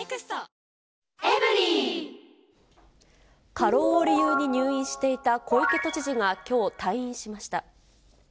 過労を理由に入院していた小池都知事がきょう、退院しました。